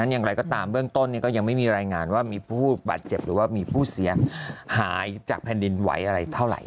อย่างไรก็ตามเบื้องต้นก็ยังไม่มีรายงานว่ามีผู้บาดเจ็บหรือว่ามีผู้เสียหายจากแผ่นดินไหวอะไรเท่าไหร